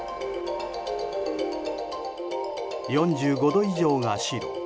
４５度以上が白。